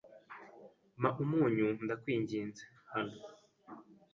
"Mpa umunyu, ndakwinginze." "Hano."